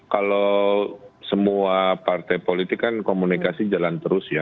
kalau semua partai politik kan komunikasi jalan terus ya